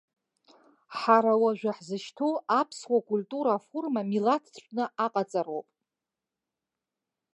Ҳара уажәы ҳзышьҭоу, аԥсуа культура аформа милаҭтәны аҟаҵароуп.